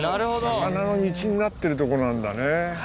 魚の道になってるとこなんだね。